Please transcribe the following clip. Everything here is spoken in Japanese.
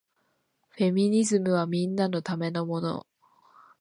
フェミニズムはみんなのためのもの